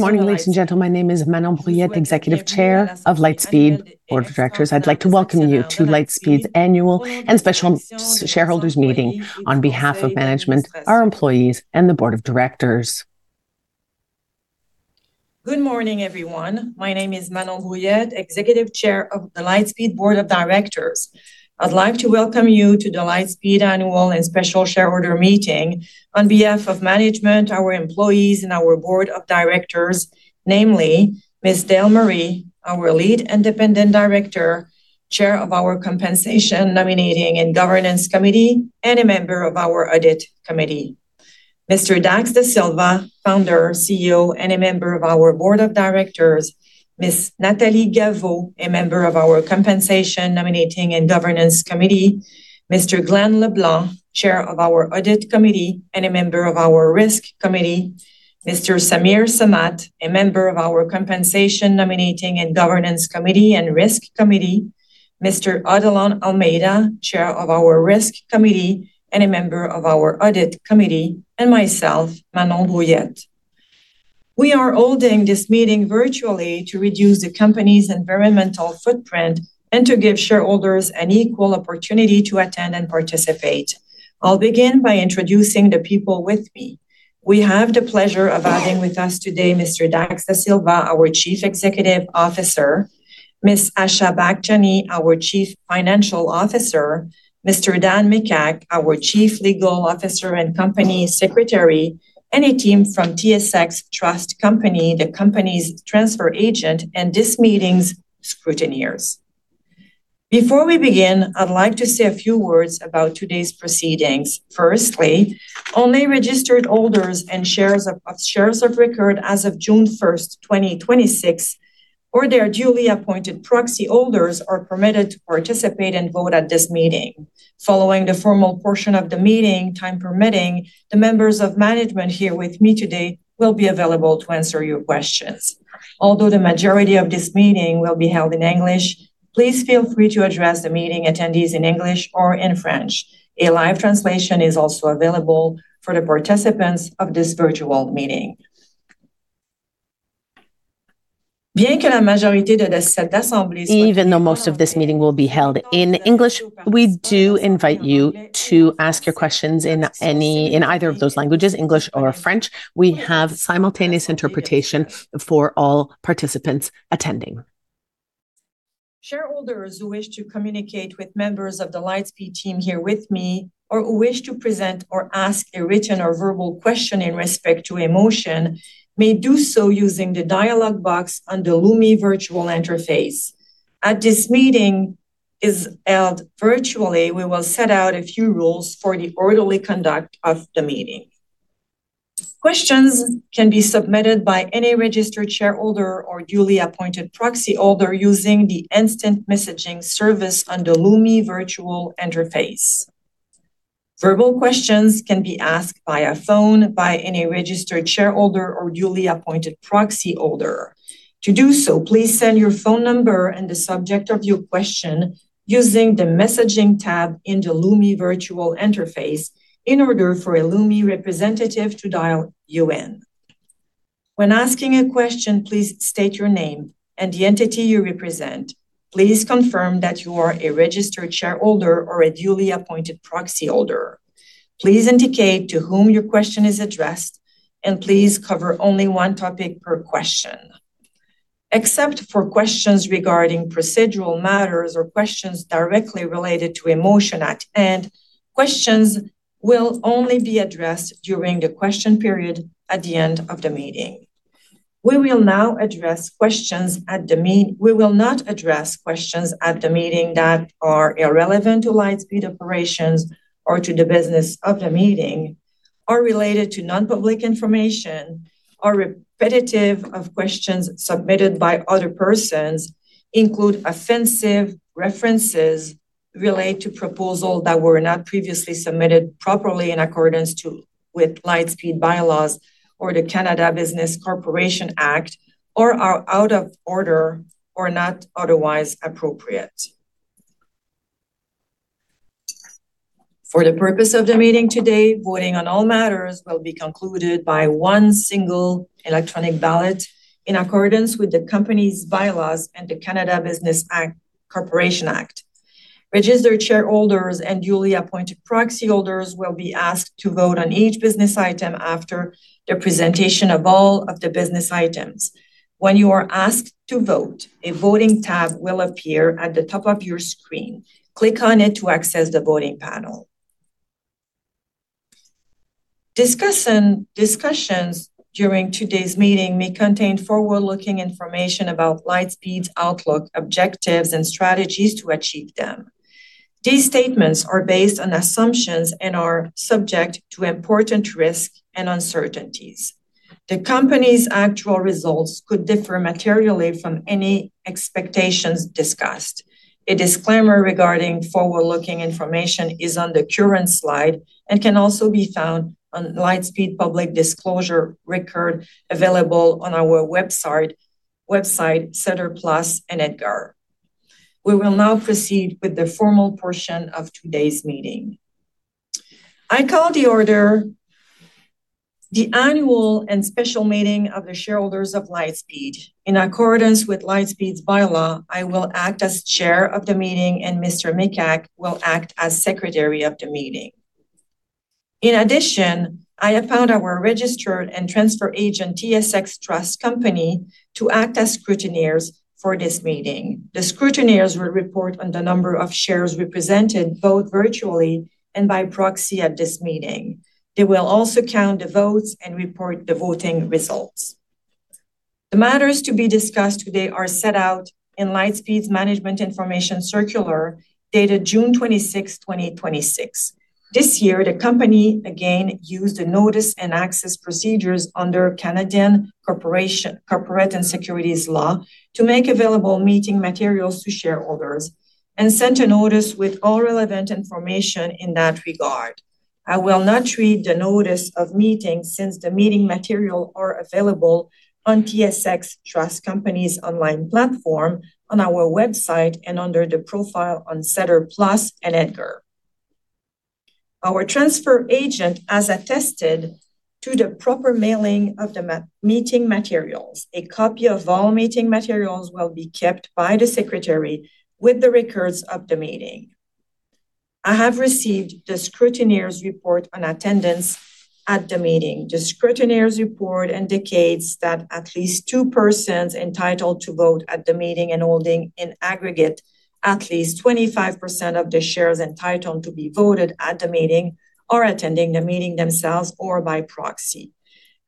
Good morning, ladies and gentlemen. My name is Manon Brouillette, Executive Chair of Lightspeed Board of Directors. I'd like to welcome you to Lightspeed's Annual and Special Shareholders' Meeting on behalf of management, our employees, and the Board of Directors. Good morning, everyone. My name is Manon Brouillette, Executive Chair of the Lightspeed Board of Directors. I'd like to welcome you to the Lightspeed Annual and Special Shareholder Meeting on behalf of management, our employees, and our Board of Directors, namely Ms. Dale Murray, our Lead Independent Director, Chair of our Compensation, Nominating and Governance Committee, and a member of our Audit Committee. Mr. Dax Dasilva, Founder, CEO, and a member of our Board of Directors. Ms. Nathalie Gaveau, a member of our Compensation, Nominating, and Governance Committee. Mr. Glen LeBlanc, Chair of our Audit Committee and a member of our Risk Committee. Mr. Sameer Samat, a member of our Compensation, Nominating and Governance Committee and Risk Committee. Mr. Odilon Almeida, Chair of our Risk Committee and a member of our Audit Committee, and myself, Manon Brouillette. We are holding this meeting virtually to reduce the company's environmental footprint and to give shareholders an equal opportunity to attend and participate. I'll begin by introducing the people with me. We have the pleasure of having with us today Mr. Dax Dasilva, our Chief Executive Officer; Ms. Asha Bakshani, our Chief Financial Officer; Mr. Dan Micak, our Chief Legal Officer and Company Secretary; and a team from TSX Trust Company, the company's transfer agent, and this meeting's scrutineers. Before we begin, I'd like to say a few words about today's proceedings. Firstly, only registered holders and shares of record as of June 1st, 2026, or their duly appointed proxy holders are permitted to participate and vote at this meeting. Following the formal portion of the meeting, time permitting, the members of management here with me today will be available to answer your questions. Although the majority of this meeting will be held in English, please feel free to address the meeting attendees in English or in French. A live translation is also available for the participants of this virtual meeting. Even though most of this meeting will be held in English, we do invite you to ask your questions in either of those languages, English or French. We have simultaneous interpretation for all participants attending. Shareholders who wish to communicate with members of the Lightspeed team here with me or who wish to present or ask a written or verbal question in respect to a motion may do so using the dialogue box on the Lumi virtual interface. As this meeting is held virtually, we will set out a few rules for the orderly conduct of the meeting. Questions can be submitted by any registered shareholder or duly appointed proxy holder using the instant messaging service on the Lumi virtual interface. Verbal questions can be asked via phone by any registered shareholder or duly appointed proxy holder. To do so, please send your phone number and the subject of your question using the messaging tab in the Lumi virtual interface in order for a Lumi representative to dial you in. When asking a question, please state your name and the entity you represent. Please confirm that you are a registered shareholder or a duly appointed proxy holder. Please indicate to whom your question is addressed, and please cover only one topic per question. Except for questions regarding procedural matters or questions directly related to a motion at hand, questions will only be addressed during the question period at the end of the meeting. We will not address questions at the meeting that are irrelevant to Lightspeed operations or to the business of the meeting or related to non-public information or repetitive of questions submitted by other persons, include offensive references, relate to proposals that were not previously submitted properly in accordance with Lightspeed bylaws or the Canada Business Corporations Act, or are out of order or not otherwise appropriate. For the purpose of the meeting today, voting on all matters will be concluded by one single electronic ballot in accordance with the company's bylaws and the Canada Business Corporations Act. Registered shareholders and duly appointed proxy holders will be asked to vote on each business item after the presentation of all of the business items. When you are asked to vote, a voting tab will appear at the top of your screen. Click on it to access the voting panel. Discussions during today's meeting may contain forward-looking information about Lightspeed's outlook, objectives, and strategies to achieve them. These statements are based on assumptions and are subject to important risks and uncertainties. The Company's actual results could differ materially from any expectations discussed. A disclaimer regarding forward-looking information is on the current slide and can also be found on Lightspeed's public disclosure record available on our website, SEDAR+, and EDGAR. We will now proceed with the formal portion of today's meeting. I call to order the annual and special meeting of the shareholders of Lightspeed. In accordance with Lightspeed's bylaw, I will act as chair of the meeting, and Mr. Micak will act as secretary of the meeting. In addition, I have found our registered and transfer agent, TSX Trust Company, to act as scrutineers for this meeting. The scrutineers will report on the number of shares represented, both virtually and by proxy at this meeting. They will also count the votes and report the voting results. The matters to be discussed today are set out in Lightspeed's Management Information Circular dated June 26, 2026. This year, the company again used the notice and access procedures under Canadian Corporate and Securities Law to make available meeting materials to shareholders and sent a notice with all relevant information in that regard. I will not read the notice of meeting since the meeting materials are available on TSX Trust Company's online platform, on our website, and under the profile on SEDAR+ and EDGAR. Our transfer agent has attested to the proper mailing of the meeting materials. A copy of all meeting materials will be kept by the secretary with the records of the meeting. I have received the scrutineer's report on attendance at the meeting. The scrutineer's report indicates that at least two persons entitled to vote at the meeting and holding in aggregate at least 25% of the shares entitled to be voted at the meeting are attending the meeting themselves or by proxy.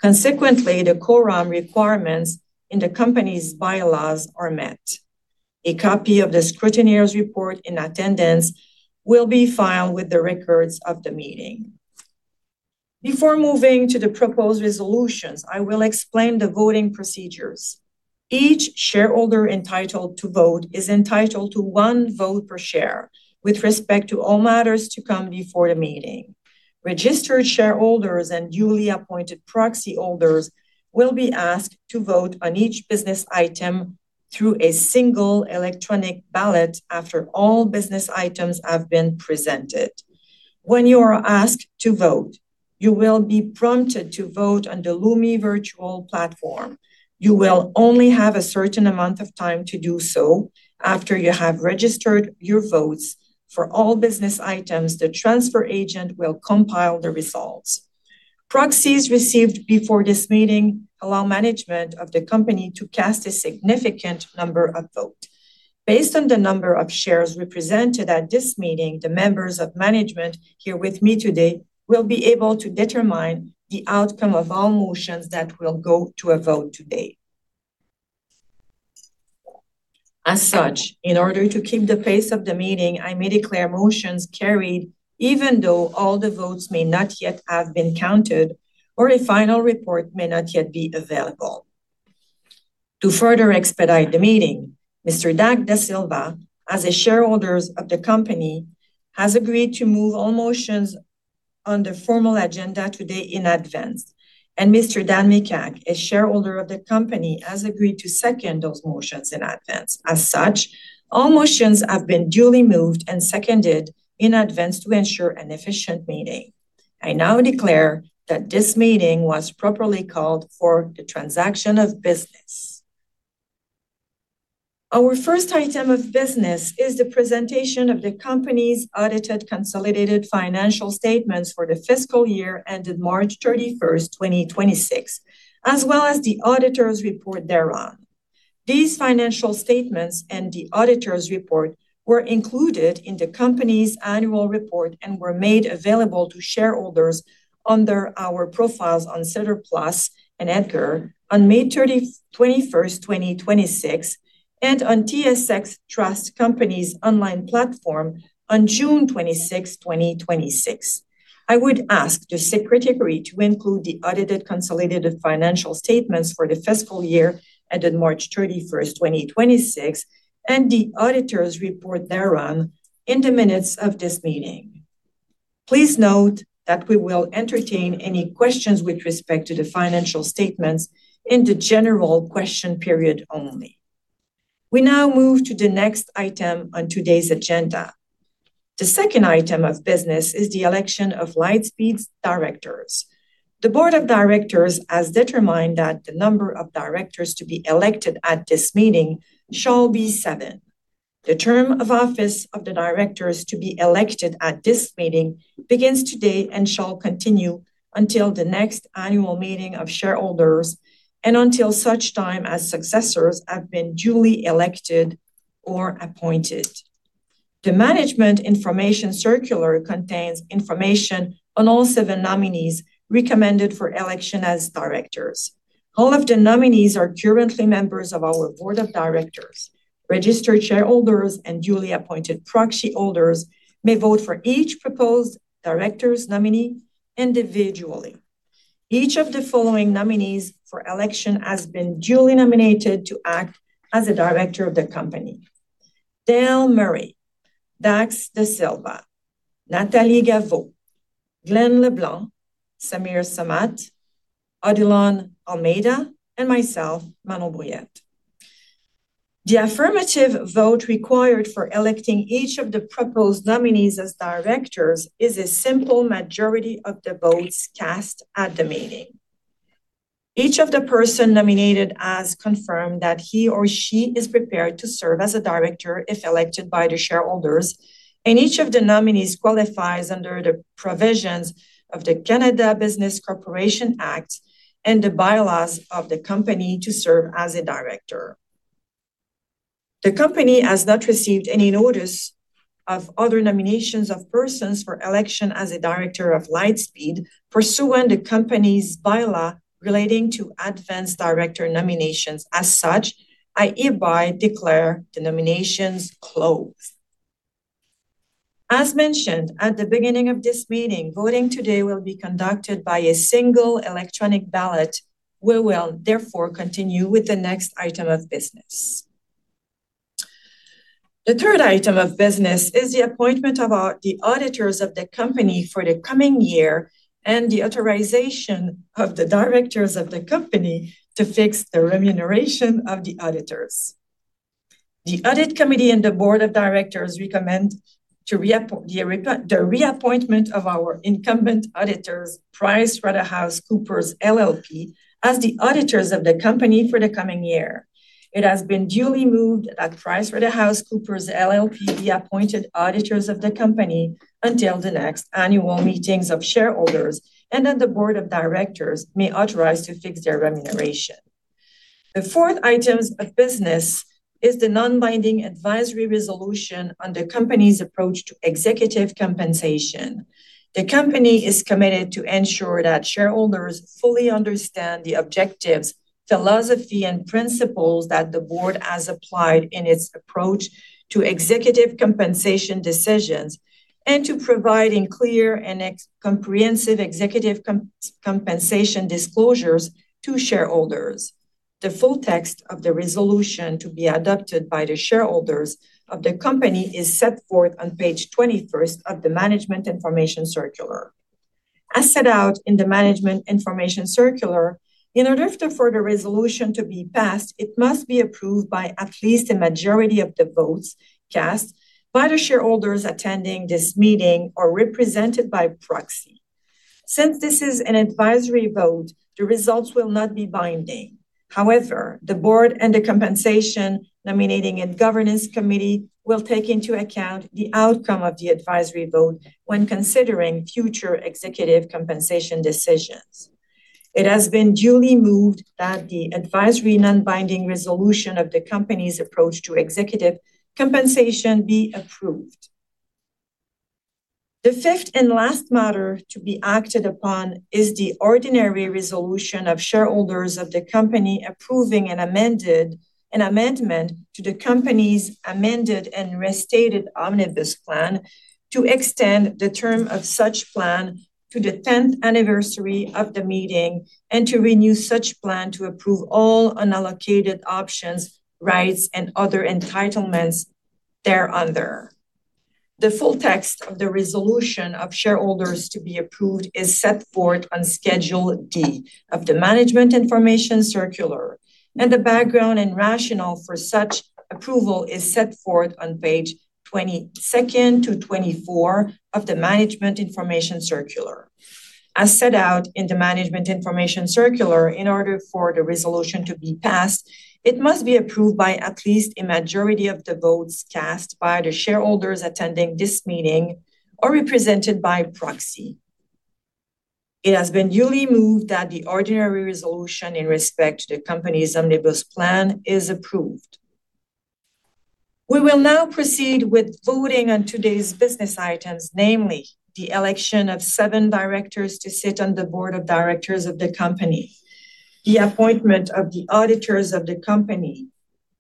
Consequently, the quorum requirements in the company's bylaws are met. A copy of the scrutineer's report in attendance will be filed with the records of the meeting. Before moving to the proposed resolutions, I will explain the voting procedures. Each shareholder entitled to vote is entitled to one vote per share with respect to all matters to come before the meeting. Registered shareholders and duly appointed proxy holders will be asked to vote on each business item through a single electronic ballot after all business items have been presented. When you are asked to vote, you will be prompted to vote on the Lumi virtual platform. You will only have a certain amount of time to do so. After you have registered your votes for all business items, the transfer agent will compile the results. Proxies received before this meeting allow management of the company to cast a significant number of votes. Based on the number of shares represented at this meeting, the members of management here with me today will be able to determine the outcome of all motions that will go to a vote today. In order to keep the pace of the meeting, I may declare motions carried even though all the votes may not yet have been counted or a final report may not yet be available. To further expedite the meeting, Mr. Dax Dasilva, as a shareholder of the company, has agreed to move all motions on the formal agenda today in advance. Mr. Dan Micak, a shareholder of the company, has agreed to second those motions in advance. All motions have been duly moved and seconded in advance to ensure an efficient meeting. I now declare that this meeting was properly called for the transaction of business. Our first item of business is the presentation of the company's audited consolidated financial statements for the fiscal year ended March 31st, 2026, as well as the auditor's report thereon. These financial statements and the auditor's report were included in the company's annual report and were made available to shareholders under our profiles on SEDAR+ and EDGAR on May 31st, 2026, and on TSX Trust Company's online platform on June 26th, 2026. I would ask the secretary to include the audited consolidated financial statements for the fiscal year ended March 31st, 2026, and the auditor's report thereon in the minutes of this meeting. Please note that we will entertain any questions with respect to the financial statements in the general question period only. We now move to the next item on today's agenda. The second item of business is the election of Lightspeed's directors. The board of directors has determined that the number of directors to be elected at this meeting shall be seven. The term of office of the directors to be elected at this meeting begins today and shall continue until the next annual meeting of shareholders and until such time as successors have been duly elected or appointed. The Management Information Circular contains information on all seven nominees recommended for election as directors. All of the nominees are currently members of our board of directors. Registered shareholders and duly appointed proxy holders may vote for each proposed director's nominee individually. Each of the following nominees for election has been duly nominated to act as a director of the company. Dale Murray, Dax Dasilva, Nathalie Gaveau, Glen LeBlanc, Sameer Samat, Odilon Almeida, and myself, Manon Brouillette. The affirmative vote required for electing each of the proposed nominees as directors is a simple majority of the votes cast at the meeting. Each of the person nominated has confirmed that he or she is prepared to serve as a director if elected by the shareholders, and each of the nominees qualifies under the provisions of the Canada Business Corporations Act and the bylaws of the company to serve as a director. The company has not received any notice of other nominations of persons for election as a director of Lightspeed pursuant to the company's bylaw relating to advance director nominations. As such, I hereby declare the nominations closed. As mentioned at the beginning of this meeting, voting today will be conducted by a single electronic ballot. We will, therefore, continue with the next item of business. The third item of business is the appointment of the auditors of the company for the coming year and the authorization of the directors of the company to fix the remuneration of the auditors. The audit committee and the board of directors recommend the reappointment of our incumbent auditors, PricewaterhouseCoopers LLP, as the auditors of the company for the coming year. It has been duly moved that PricewaterhouseCoopers LLP be appointed auditors of the company until the next annual meetings of shareholders and that the board of directors may authorize to fix their remuneration. The fourth item of business is the non-binding advisory resolution on the company's approach to executive compensation. The company is committed to ensure that shareholders fully understand the objectives, philosophy, and principles that the board has applied in its approach to executive compensation decisions and to providing clear and comprehensive executive compensation disclosures to shareholders. The full text of the resolution to be adopted by the shareholders of the company is set forth on page 21st of the management information circular. As set out in the management information circular, in order for the resolution to be passed, it must be approved by at least a majority of the votes cast by the shareholders attending this meeting or represented by proxy. Since this is an advisory vote, the results will not be binding. However, the board and the compensation nominating and governance committee will take into account the outcome of the advisory vote when considering future executive compensation decisions. It has been duly moved that the advisory non-binding resolution of the company's approach to executive compensation be approved. The fifth and last matter to be acted upon is the ordinary resolution of shareholders of the company approving an amendment to the company's amended and restated omnibus plan to extend the term of such plan to the 10th anniversary of the meeting and to renew such plan to approve all unallocated options, rights, and other entitlements thereunder. The full text of the resolution of shareholders to be approved is set forth on Schedule D of the management information circular, and the background and rationale for such approval is set forth on page 22nd to 24 of the management information circular. As set out in the management information circular, in order for the resolution to be passed, it must be approved by at least a majority of the votes cast by the shareholders attending this meeting or represented by proxy. It has been duly moved that the ordinary resolution in respect to the company's omnibus plan is approved. We will now proceed with voting on today's business items, namely the election of seven directors to sit on the board of directors of the company, the appointment of the auditors of the company,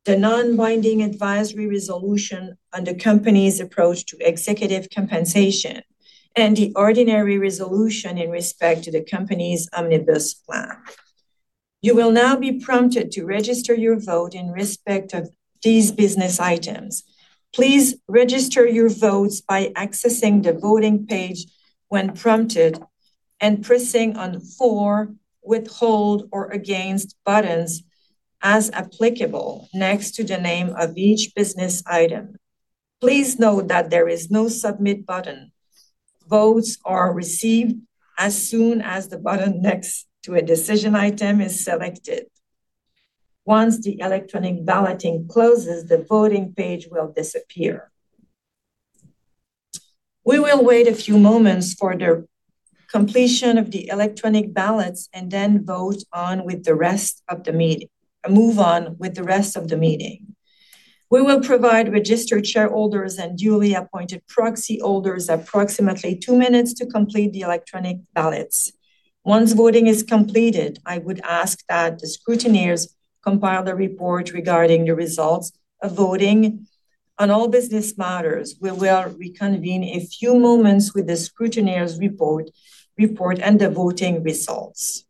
the non-binding advisory resolution on the company's approach to executive compensation, and the ordinary resolution in respect to the company's omnibus plan. You will now be prompted to register your vote in respect of these business items. Please register your votes by accessing the voting page when prompted and pressing on "for," "withhold," or "against" buttons, as applicable, next to the name of each business item. Please note that there is no submit button. Votes are received as soon as the button next to a decision item is selected. Once the electronic balloting closes, the voting page will disappear. We will wait a few moments for the completion of the electronic ballots and then move on with the rest of the meeting. We will provide registered shareholders and duly appointed proxy holders approximately two minutes to complete the electronic ballots. Once voting is completed, I would ask that the scrutineers compile the report regarding the results of voting on all business matters. We will reconvene in a few moments with the scrutineers' report and the voting results.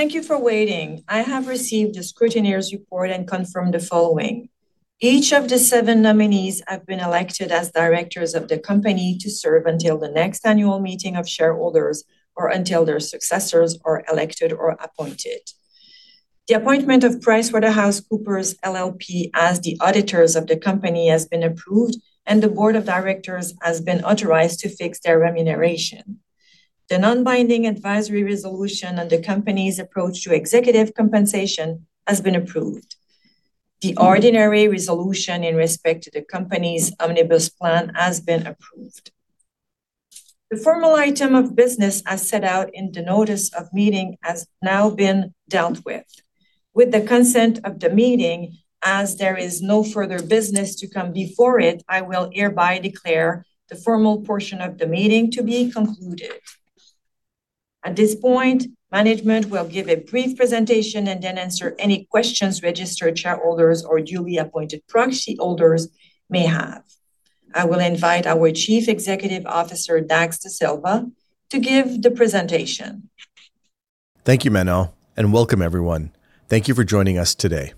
Thank you for waiting. I have received the scrutineer's report and confirm the following. Each of the seven nominees have been elected as directors of the company to serve until the next annual meeting of shareholders, or until their successors are elected or appointed. The appointment of PricewaterhouseCoopers LLP as the auditors of the company has been approved, and the board of directors has been authorized to fix their remuneration. The non-binding advisory resolution on the company's approach to executive compensation has been approved. The ordinary resolution in respect to the company's omnibus plan has been approved. The formal item of business as set out in the notice of meeting has now been dealt with. With the consent of the meeting, as there is no further business to come before it, I will hereby declare the formal portion of the meeting to be concluded. At this point, management will give a brief presentation and then answer any questions registered shareholders or duly appointed proxy holders may have. I will invite our Chief Executive Officer, Dax Dasilva, to give the presentation. Thank you, Manon. And welcome, everyone. Thank you for joining us today.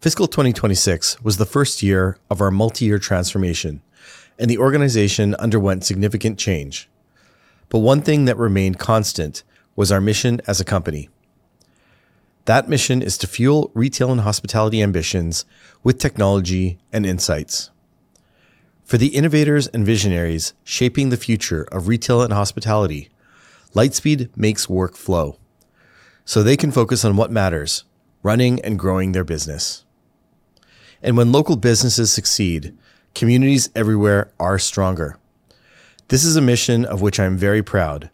Fiscal 2026 was the first year of our multi-year transformation; the organization underwent significant change. One thing that remained constant was our mission as a company. That mission is to fuel retail and hospitality ambitions with technology and insights. For the innovators and visionaries shaping the future of retail and hospitality, Lightspeed makes work flow so they can focus on what matters, running and growing their business. When local businesses succeed, communities everywhere are stronger. This is a mission of which I am very proud,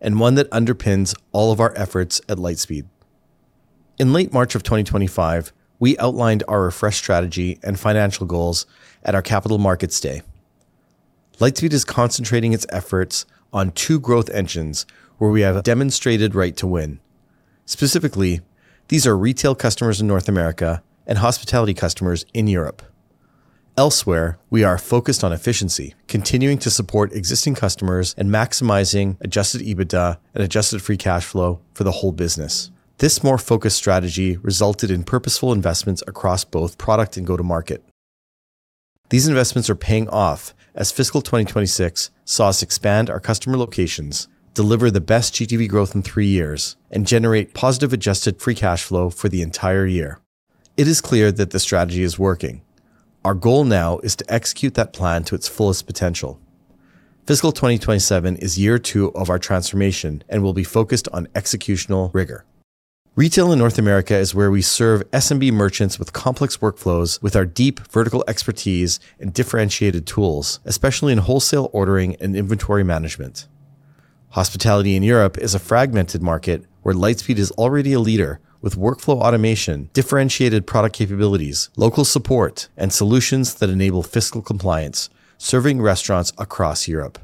and one that underpins all of our efforts at Lightspeed. In late March of 2025, we outlined our refresh strategy and financial goals at our Capital Markets Day. Lightspeed is concentrating its efforts on two growth engines where we have a demonstrated right to win. Specifically, these are retail customers in North America and hospitality customers in Europe. Elsewhere, we are focused on efficiency, continuing to support existing customers and maximizing adjusted EBITDA and adjusted free cash flow for the whole business. This more focused strategy resulted in purposeful investments across both product and go-to-market. These investments are paying off as Fiscal 2026 saw us expand our customer locations, deliver the best GTV growth in three years, and generate positive adjusted free cash flow for the entire year. It is clear that the strategy is working. Our goal now is to execute that plan to its fullest potential. Fiscal 2027 is year two of our transformation and will be focused on executional rigor. Retail in North America is where we serve SMB merchants with complex workflows with our deep vertical expertise and differentiated tools, especially in wholesale ordering and inventory management. Hospitality in Europe is a fragmented market where Lightspeed is already a leader with workflow automation, differentiated product capabilities, local support, and solutions that enable fiscal compliance, serving restaurants across Europe.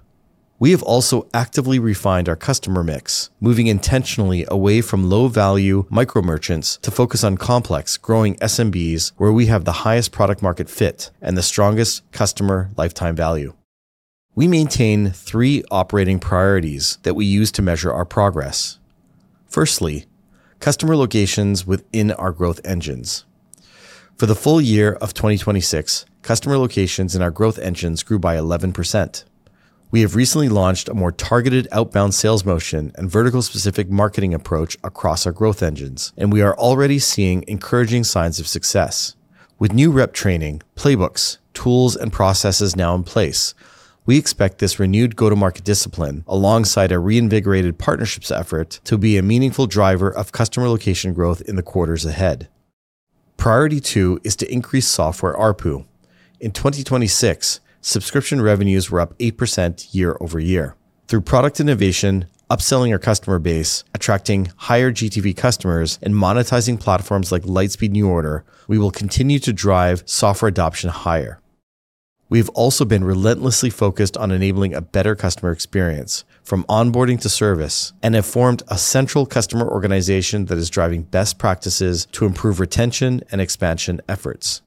We have also actively refined our customer mix, moving intentionally away from low-value micro merchants to focus on complex growing SMBs where we have the highest product market fit and the strongest customer lifetime value. We maintain three operating priorities that we use to measure our progress. Firstly, customer locations within our growth engines. For the full year of 2026, customer locations in our growth engines grew by 11%. We have recently launched a more targeted outbound sales motion and vertical-specific marketing approach across our growth engines; we are already seeing encouraging signs of success. With new rep training, playbooks, tools, and processes now in place, we expect this renewed go-to-market discipline, alongside a reinvigorated partnerships effort, to be a meaningful driver of customer location growth in the quarters ahead. Priority two is to increase software ARPU. In 2026, subscription revenues were up 8% year-over-year. Through product innovation, upselling our customer base, attracting higher GTV customers, and monetizing platforms like Lightspeed NuORDER, we will continue to drive software adoption higher. We've also been relentlessly focused on enabling a better customer experience from onboarding to service and have formed a central customer organization that is driving best practices to improve retention and expansion efforts.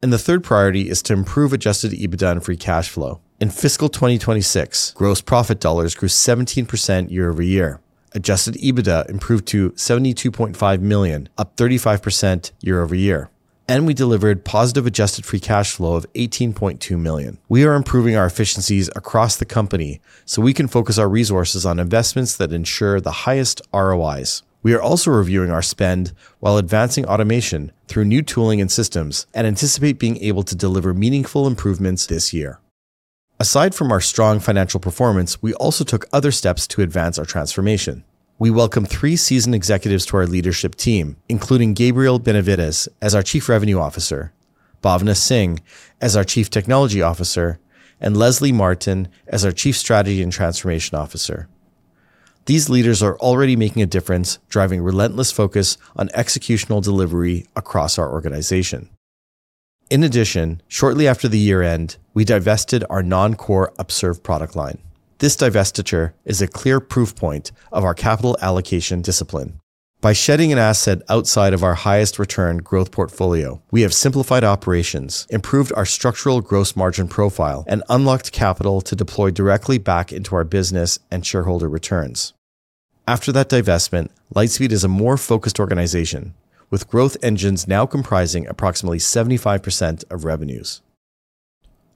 The third priority is to improve adjusted EBITDA and free cash flow. In Fiscal 2026, gross profit dollars grew 17% year-over-year. Adjusted EBITDA improved to 72.5 million, up 35% year-over-year. We delivered positive adjusted free cash flow of 18.2 million. We are improving our efficiencies across the company so we can focus our resources on investments that ensure the highest ROIs. We are also reviewing our spend while advancing automation through new tooling and systems, anticipate being able to deliver meaningful improvements this year. Aside from our strong financial performance, we also took other steps to advance our transformation. We welcome three seasoned executives to our leadership team, including Gabriel Benavides as our Chief Revenue Officer, Bhawna Singh as our Chief Technology Officer, and Leslie Martin as our Chief Strategy and Transformation Officer. These leaders are already making a difference, driving relentless focus on executional delivery across our organization. In addition, shortly after the year-end, we divested our non-core Upserve product line. This divestiture is a clear proof point of our capital allocation discipline. By shedding an asset outside of our highest return growth portfolio, we have simplified operations, improved our structural gross margin profile, and unlocked capital to deploy directly back into our business and shareholder returns. After that divestment, Lightspeed is a more focused organization, with growth engines now comprising approximately 75% of revenues.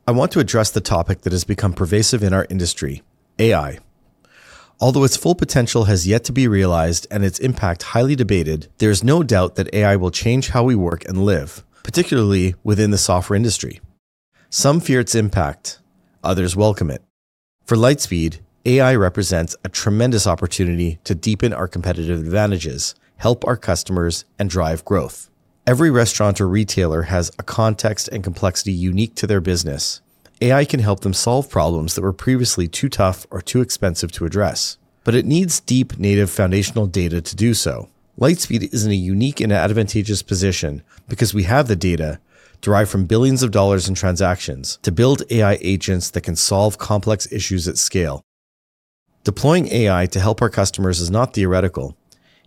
I want to address the topic that has become pervasive in our industry, AI. Although its full potential has yet to be realized and its impact highly debated, there is no doubt that AI will change how we work and live, particularly within the software industry. Some fear its impact; others welcome it. For Lightspeed, AI represents a tremendous opportunity to deepen our competitive advantages, help our customers, and drive growth. Every restaurant or retailer has a context and complexity unique to their business. AI can help them solve problems that were previously too tough or too expensive to address; it needs deep native foundational data to do so. Lightspeed is in a unique and advantageous position because we have the data derived from billions of dollars in transactions to build AI agents that can solve complex issues at scale. Deploying AI to help our customers is not theoretical.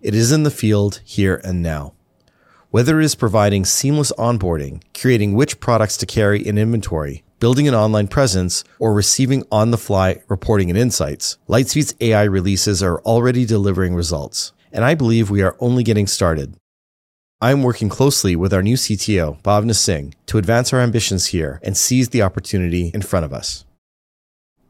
It is in the field here and now. Whether it is providing seamless onboarding, curating which products to carry in inventory, building an online presence, or receiving on-the-fly reporting and insights, Lightspeed's AI releases are already delivering results. I believe we are only getting started. I am working closely with our new CTO, Bhawna Singh, to advance our ambitions here and seize the opportunity in front of us.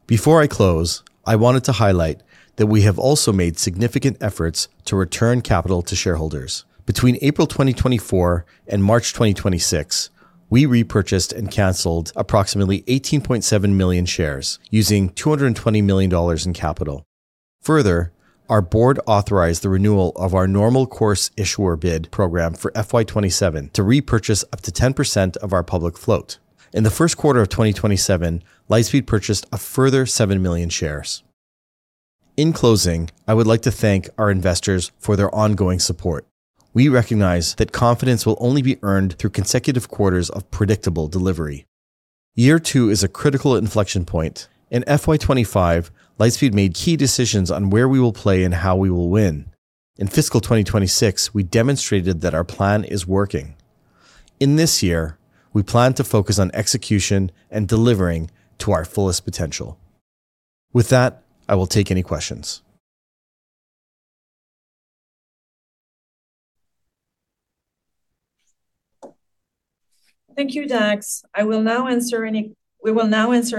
Before I close, I wanted to highlight that we have also made significant efforts to return capital to shareholders. Between April 2024 and March 2026, we repurchased and canceled approximately 18.7 million shares using $220 million in capital. Our board authorized the renewal of our normal course issuer bid program for FY 2027 to repurchase up to 10% of our public float. In the first quarter of 2027, Lightspeed purchased a further seven million shares. In closing, I would like to thank our investors for their ongoing support. We recognize that confidence will only be earned through consecutive quarters of predictable delivery. Year two is a critical inflection point. In FY 2025, Lightspeed made key decisions on where we will play and how we will win. In fiscal 2026, we demonstrated that our plan is working. In this year, we plan to focus on execution and delivering to our fullest potential. With that, I will take any questions. Thank you, Dax. We will now answer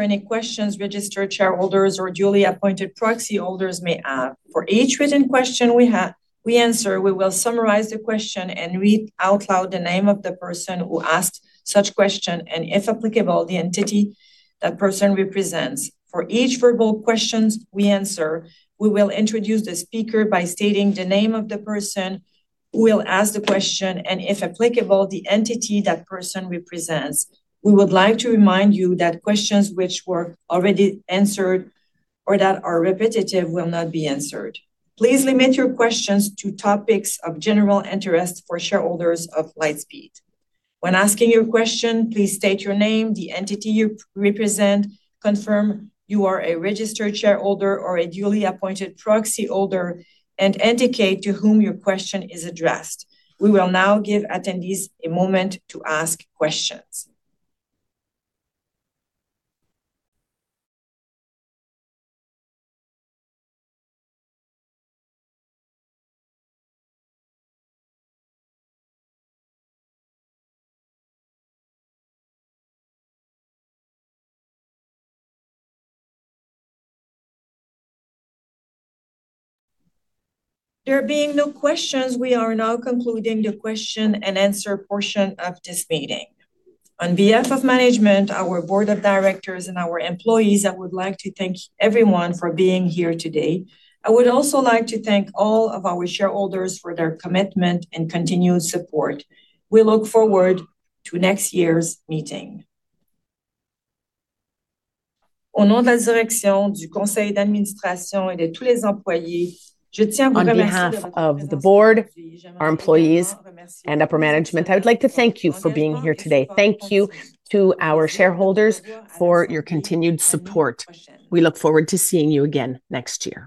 any questions registered shareholders or duly appointed proxy holders may have. For each written question we answer, we will summarize the question and read out loud the name of the person who asked such question, and if applicable, the entity that person represents. For each verbal question we answer, we will introduce the speaker by stating the name of the person who will ask the question, and if applicable, the entity that person represents. We would like to remind you that questions which were already answered or that are repetitive will not be answered. Please limit your questions to topics of general interest for shareholders of Lightspeed. When asking your question, please state your name, the entity you represent, confirm you are a registered shareholder or a duly appointed proxy holder, and indicate to whom your question is addressed. We will now give attendees a moment to ask questions. There being no questions, we are now concluding the question and answer portion of this meeting. On behalf of management, our board of directors, and our employees, I would like to thank everyone for being here today. I would also like to thank all of our shareholders for their commitment and continued support. We look forward to next year's meeting. On behalf of the board, our employees, and upper management, I would like to thank you for being here today. Thank you to our shareholders for your continued support. We look forward to seeing you again next year.